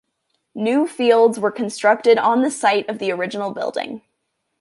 New fields were constructed on the site of the original building.